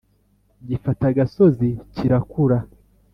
gifata agasozi kirakura